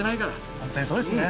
本当にそうですね。